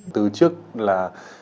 từ trước là